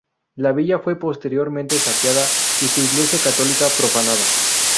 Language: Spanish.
La villa fue posteriormente saqueada y su iglesia católica profanada.